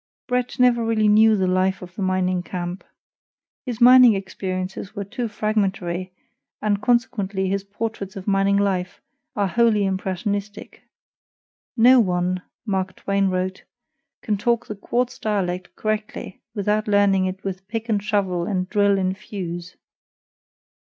Bret Harte never really knew the life of the mining camp. His mining experiences were too fragmentary, and consequently his portraits of mining life are wholly impressionistic. "No one," Mark Twain wrote, "can talk the quartz dialect correctly without learning it with pick and shovel and drill and fuse."